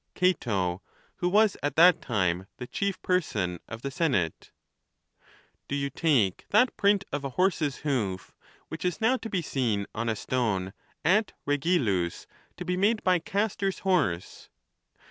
Cato, who was at that time the chief person of the senate ? Do you take that print of a horse's hoof which is now to be seen on a stone at Regillus to be made by Castor's horse